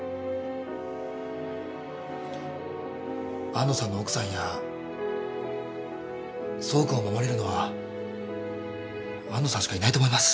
安野さんの奥さんや爽君を守れるのは安野さんしかいないと思います。